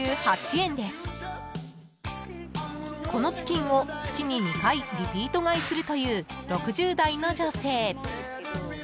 ［このチキンを月に２回リピート買いするという６０代の女性］